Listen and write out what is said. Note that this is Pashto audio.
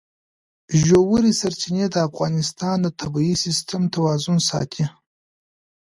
ژورې سرچینې د افغانستان د طبعي سیسټم توازن ساتي.